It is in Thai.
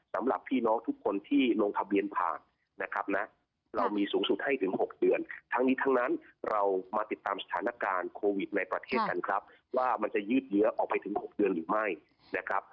สำหรับพี่น้องทุกคนที่ลงทะเบียนผ่านนะครับนะเรามีสูงสุดให้ถึง๖เดือนทั้งนี้ทั้งนั้นเรามาติดตามสถานการณ์โควิดในประเทศกันครับว่ามันจะยืดเยื้อออกไปถึง๖เดือนหรือไม่นะครับ